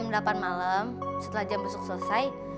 nanti ya jam delapan malam setelah jam besok selesai